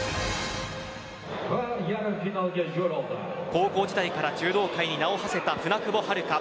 高校時代から柔道界に名を馳せた舟久保遥香。